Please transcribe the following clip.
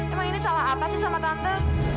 emang ini salah apa sih sama tante